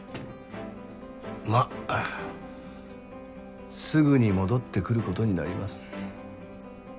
まあすぐに戻ってくることになります。